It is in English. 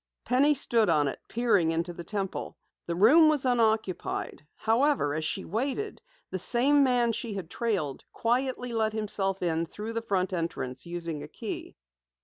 Penny stood on it, peering into the Temple. The room was unoccupied. However, as she waited, the same man she had trailed, quietly let himself in through the front entrance, using a key.